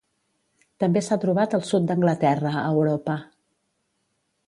També s'ha trobat al sud d'Anglaterra a Europa.